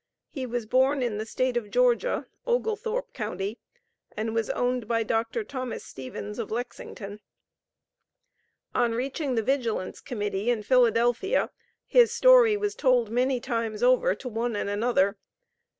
He was born in the State of Georgia, Oglethorpe county, and was owned by Dr. Thomas Stephens, of Lexington. On reaching the Vigilance Committee in Philadelphia, his story was told many times over to one and another.